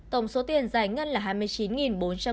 tổng số tiền giải ngân là hai mươi chín bốn trăm bốn mươi năm